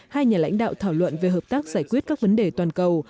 hai nhà lãnh đạo thảo luận về hợp tác giải quyết các vấn đề toàn cầu